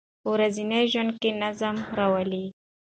په ورځني ژوند کې نظم راولئ.